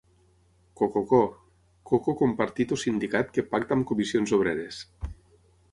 Cococo: coco compartit o sindicat que pacta amb Comissions Obreres.